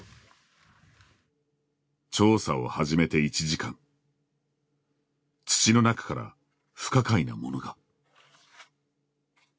調査を始めて１時間土の中から不可解なものが。